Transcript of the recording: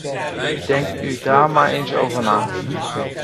Denkt u daar maar eens over na.